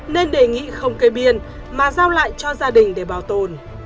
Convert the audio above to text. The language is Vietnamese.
nên đề nghị không cây biên mà giao lại cho gia đình để bảo tồn